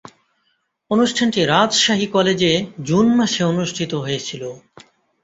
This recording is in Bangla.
অনুষ্ঠানটি রাজশাহী কলেজে জুন মাসে অনুষ্ঠিত হয়েছিলো।